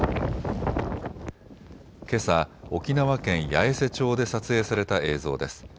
けさ沖縄県八重瀬町で撮影された映像です。